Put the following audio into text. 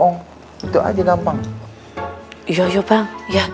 gitu aja gampang